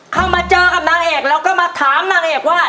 เข้ามาเจอกับนักเอกแล้วก็มาถามนักเอกว่า